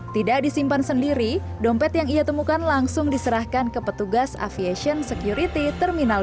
tidak disimpan sendiri dompet yang ia temukan langsung diserahkan ke petugas aviation security terminal tiga